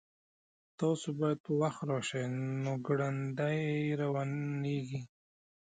تاسو باید په وخت راشئ نو ګړندي روانیږئ